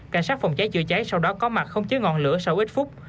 cảnh sát phòng cháy chữa cháy sau đó có mặt không chế ngọn lửa sau ít phút